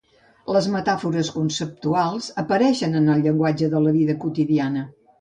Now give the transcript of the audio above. Les metàfores conceptuals apareixen en el llenguatge de la vida quotidiana.